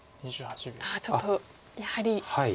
ああちょっとやはり。